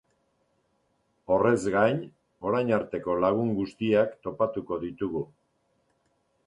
Horrez gain, orain arteko lagun guztiak topatuko ditugu.